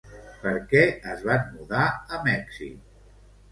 Per què es van mudar a Mèxic?